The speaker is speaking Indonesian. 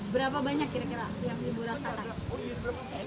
berapa banyak kira kira yang diburasan